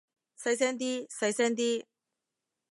細聲啲，細聲啲